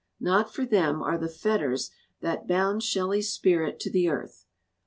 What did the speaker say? Not for them are the fetters that bound Shelley's spirit to the earth!